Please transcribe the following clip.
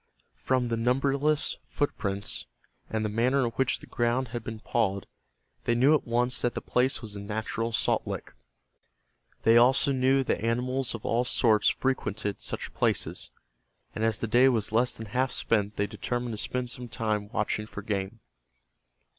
From the numberless footprints, and the manner in which the ground had been pawed, they knew at once that the place was a natural salt lick. They also knew that animals of all sorts frequented such places, and as the day was less than half spent they determined to spend some time watching for game.